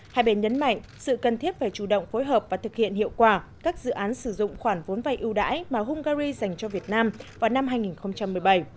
hai bên nhấn mạnh sự cần thiết phải chủ động phối hợp và thực hiện hiệu quả các dự án sử dụng khoản vốn vay ưu đãi mà hungary dành cho việt nam vào năm hai nghìn một mươi bảy